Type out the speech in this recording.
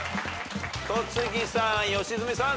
戸次さん良純さん